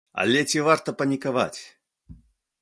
Але ці варта панікаваць?